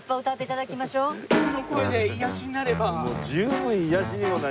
僕の声で癒やしになれば。